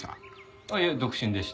いえ独身でした。